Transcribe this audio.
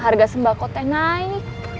harga sembah kote naik